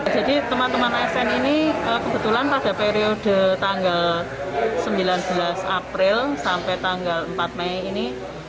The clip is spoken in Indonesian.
jadi teman teman asn ini kebetulan pada periode tanggal sembilan belas april sampai tanggal empat mei ini